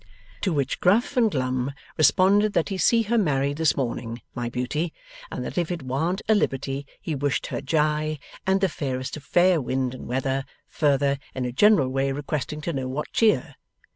To which Gruff and Glum responded that he see her married this morning, my Beauty, and that if it warn't a liberty he wished her ji and the fairest of fair wind and weather; further, in a general way requesting to know what cheer?